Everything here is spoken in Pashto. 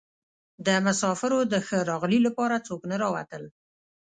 د مسافرو د ښه راغلي لپاره څوک نه راوتل.